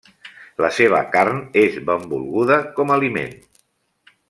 La seva carn és benvolguda com aliment.